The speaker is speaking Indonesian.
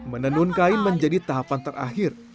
menenun kain menjadi tahapan terakhir